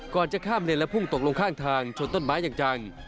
จะข้ามเลนและพุ่งตกลงข้างทางชนต้นไม้อย่างจัง